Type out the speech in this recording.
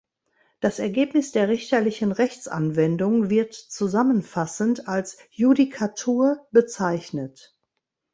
Das Ergebnis der richterlichen Rechtsanwendung wird zusammenfassend als Judikatur bezeichnet.